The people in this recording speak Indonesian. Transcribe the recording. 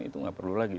itu tidak perlu lagi